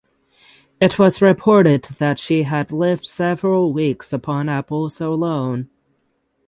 It was reported that she had lived several weeks upon apples alone.